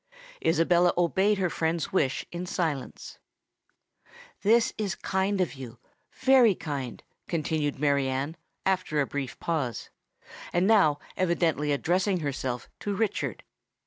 Isabella obeyed her friend's wish in silence. "This is kind of you—very kind," continued Mary Anne, after a brief pause, and now evidently addressing herself to Richard.